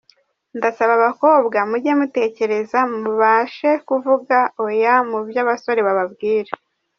Ndasaba abakobwa mujye mutekereza mubashe kuvuga oya mu byo abasore bababwira.